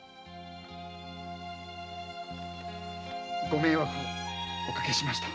ご迷惑をおかけしました。